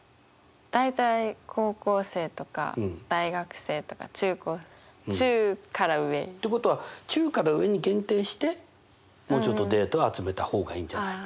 大体高校生とか大学生とか中から上。ってことは中から上に限定してもうちょっとデータを集めた方がいいんじゃないか。